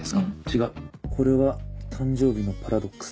違うこれは誕生日のパラドックスだ。